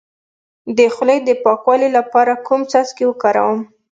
د خولې د پاکوالي لپاره کوم څاڅکي وکاروم؟